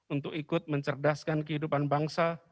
untuk ikut mencerdaskan kehidupan bangsa